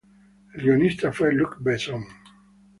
El guionista fue Luc Besson.